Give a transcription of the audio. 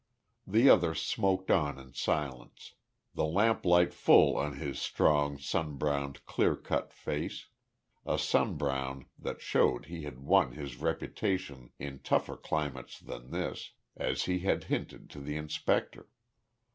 The other smoked on in silence, the lamplight full on his strong, sun browned, clear cut face a sun brown that showed he had won his reputation in tougher climates than this as he had hinted to the inspector.